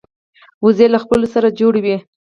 وزې له خپلو سره جوړه وي